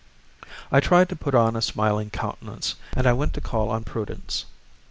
I tried to put on a smiling countenance, and I went to call on Prudence.